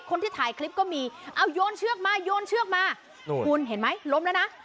คนที่ถ่ายคลิปก็มีเอาโยนเชือกมาโยนเชือกมาคุณเห็นไหมล้มแล้วนะ